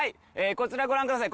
こちらご覧ください。